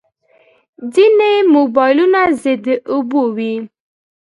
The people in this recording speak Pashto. ځینې موبایلونه ضد اوبو وي.